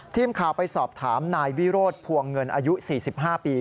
ทีมข่าวไปสอบถามนายวิโรธพวงเงินอายุ๔๕ปี